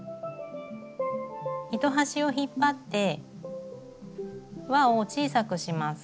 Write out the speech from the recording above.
糸端を引っ張って輪を小さくします。